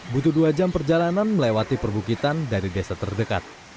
butuh dua jam perjalanan melewati perbukitan dari desa terdekat